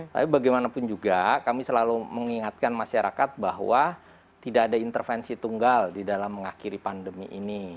tapi bagaimanapun juga kami selalu mengingatkan masyarakat bahwa tidak ada intervensi tunggal di dalam mengakhiri pandemi ini